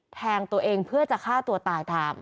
แทงตัวเองเพื่อจะฆ่าตัวตายตาม